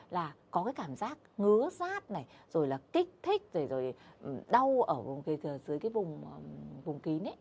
là có cảm giác ngứa rát kích thích đau ở dưới vùng kín